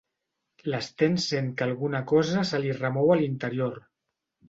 L'Sten sent que alguna cosa se li remou a l'interior.